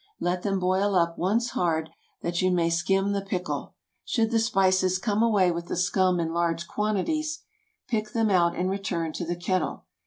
Let them boil up once hard, that you may skim the pickle. Should the spices come away with the scum in large quantities, pick them out and return to the kettle.